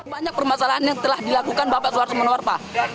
banyak permasalahan yang telah dilakukan bapak suharto monoarfa